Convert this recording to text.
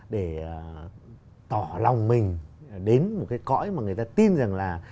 để tỏ lòng mình đến một cái cõi mà người ta tin rằng là